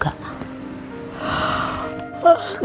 gantuk juga gua